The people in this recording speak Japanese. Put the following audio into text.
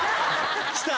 来た！